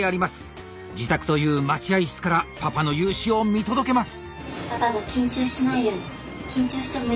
自宅という待合室からパパの雄姿を見届けます。